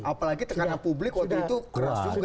apalagi tekanan publik waktu itu keras juga